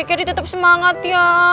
kerry tetap semangat ya